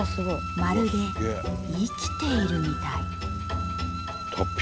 まるで生きているみたい！達筆！